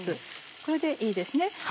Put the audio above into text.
これでいいですね。